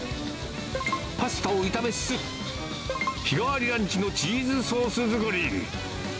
パスタを炒めつつ、日替わりランチのチーズソース作り。